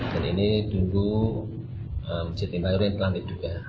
masjid ini dulu menjadi lantai yang terlantik juga